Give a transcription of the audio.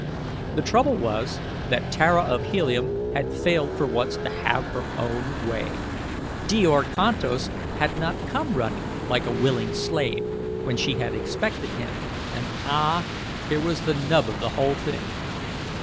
The trouble was, that Tara of Helium had failed for once to have her own way. Djor Kantos had not come running like a willing slave when she had expected him, and, ah, here was the nub of the whole thing!